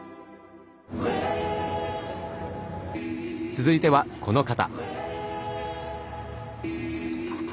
続いてはこの方。